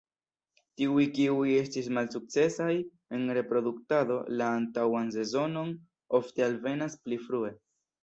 Tiuj kiuj estis malsukcesaj en reproduktado la antaŭan sezonon ofte alvenas pli frue.